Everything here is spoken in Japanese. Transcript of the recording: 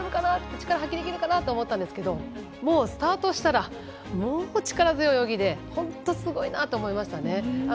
力発揮できるかな？と思ったんですけどもう、スタートしたら力強い泳ぎで本当すごいなと思いましたね。